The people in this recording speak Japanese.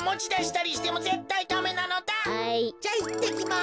じゃいってきます。